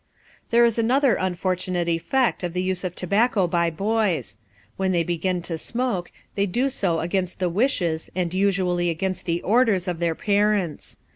There is another unfortunate effect of the use of tobacco by boys. When they begin to smoke, they do so against the wishes and usually against the orders of their parents.